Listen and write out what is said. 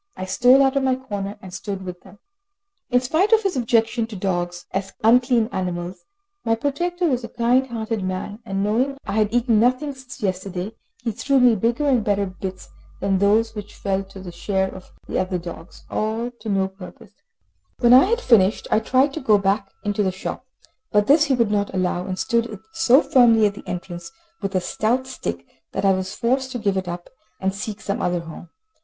I stole out of my corner, and stood with them. In spite of his objection to dogs, as unclean animals, my protector was a kind hearted man, and knowing I had eaten nothing since yesterday, he threw me bigger and better bits than those which fell to the share of the other dogs. When I had finished, I tried to go back into the shop, but this he would not allow, and stood so firmly at the entrance with a stout stick, that I was forced to give it up, and seek some other home.